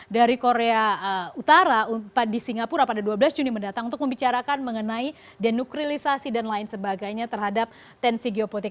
dari korea utara di singapura pada dua belas juni mendatang untuk membicarakan mengenai denukrilisasi dan lain sebagainya terhadap tensi geopotik